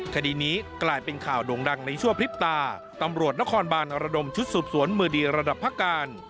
คดีนี้กลายเป็นข่าวโด่งดังในชั่วพริบตาตำรวจนครบานระดมชุดสืบสวนมือดีระดับภาคการ